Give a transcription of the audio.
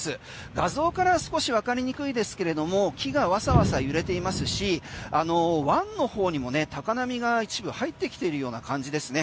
画像からは少しわかりにくいですけれども木がわさわさ揺れていますし湾の方にも高波が一部入ってきているような感じですね。